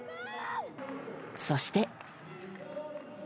そして。